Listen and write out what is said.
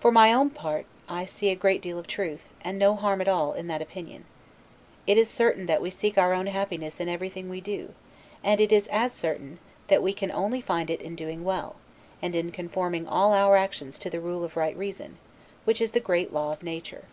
For my own part, I see a great deal of truth, and no harm at all, in that opinion. It is certain that we seek our own happiness in everything we do; and it is as certain, that we can only find it in doing well, and in conforming all our actions to the rule of right reason, which is the great law of nature.